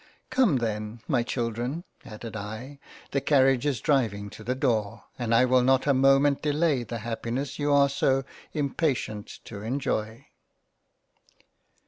Come, then my Children (added I) the Carriage is driving to the door, and I will not a moment delay the happiness you are so impatient to enjoy."